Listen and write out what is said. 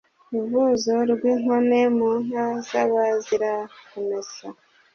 ruvuzo rw’inkone mu nka z’abazirakumesa